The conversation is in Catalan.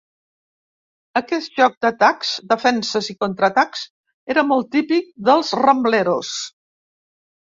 Aquest joc d'atacs, defenses i contraatacs era molt típic dels Rambleros.